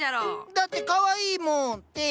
だってかわいいもん。